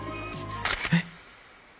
えっ？